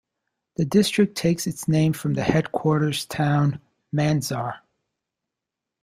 The District takes its name from the headquarters town, Mandsaur.